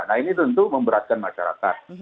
nah ini tentu memberatkan masyarakat